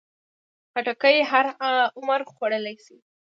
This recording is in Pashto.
خټکی هر عمر خوړلی شي.